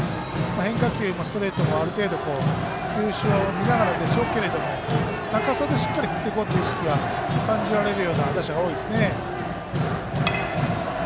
変化球もストレートも、ある程度球種を見ながらでしょうけど高さで、しっかり振っていこうという意識が感じられるような打者多いですね。